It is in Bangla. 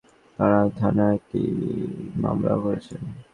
পরে নিহত ব্যক্তির স্ত্রী মিনা খাতুন তাড়াশ থানায় একটি হত্যা মামলা করেছেন।